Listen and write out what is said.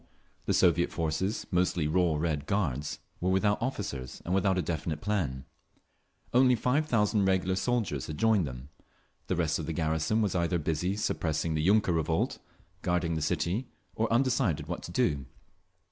The Soviet forces, mostly raw Red Guards, were without officers and without a definite plan. Only five thousand regular soldiers had joined them; the rest of the garrison was either busy suppressing the yunker revolt, guarding the city, or undecided what to do.